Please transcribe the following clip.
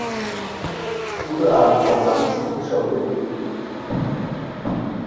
কুরআন ও হাদীস থেকে শব্দটির উৎপত্তি।